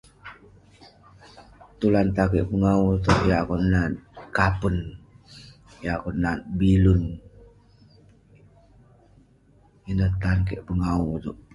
Tulan tavik pengawu ituek yah neh kapen nah akuek nat bilun ineh tan kik pengawu ituek.